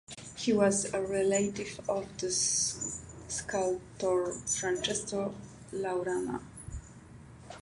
He was a relative of the sculptor Francesco Laurana.